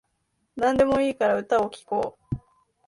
なんでもいいから歌を聴こう